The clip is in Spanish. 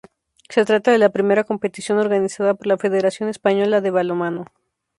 Se trata de la primera competición organizada por la Federación Española de Balonmano.